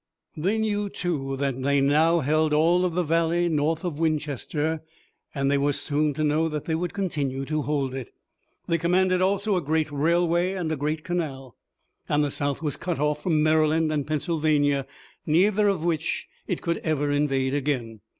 They knew, too, that they now held all of the valley north of Winchester, and they were soon to know that they would continue to hold it. They commanded also a great railway and a great canal, and the South was cut off from Maryland and Pennsylvania, neither of which it could ever invade again.